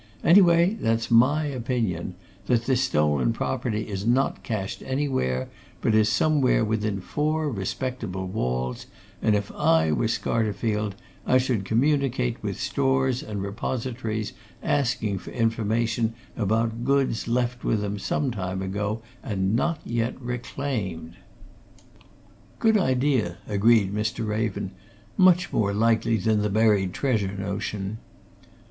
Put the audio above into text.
Anyway, that's my opinion that this stolen property is not cached anywhere, but is somewhere within four respectable walls, and if I were Scarterfield, I should communicate with stores and repositories asking for information about goods left with them some time ago and not yet reclaimed." "Good idea!" agreed Mr. Raven. "Much more likely than the buried treasure notion."